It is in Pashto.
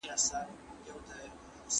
.د هر اواز سره واخ، واخ پورته کړي